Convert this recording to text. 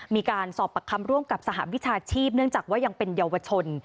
มีการสอบปากคำร่วมกับสหวิชาชีพเนื่องจากว่ายังเป็นเยาวชน